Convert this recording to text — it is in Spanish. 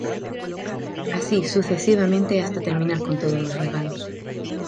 Así sucesivamente hasta terminar con todos los regalos.